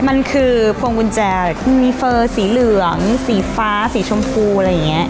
มันคือพวงกุญแจมีเฟอร์สีเหลืองสีฟ้าสีชมพูอะไรอย่างนี้